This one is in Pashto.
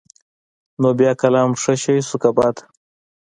نو بيا قلم ښه شى شو که بد.